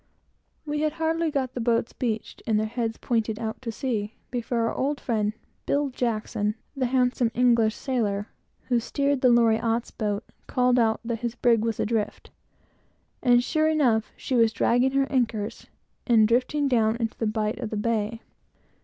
We had hardly got the boats beached, and their heads out, before our old friend, Bill Jackson, the handsome English sailor, who steered the Loriotte's boat, called out that the brig was adrift; and, sure enough, she was dragging her anchors, and drifting down into the bight of the bay.